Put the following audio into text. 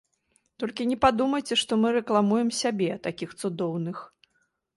Толькі не падумайце, што мы рэкламуем сябе, такіх цудоўных!